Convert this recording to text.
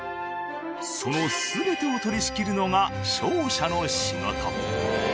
その全てを取り仕切るのが商社の仕事。